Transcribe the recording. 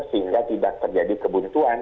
sehingga tidak terjadi kebuntuan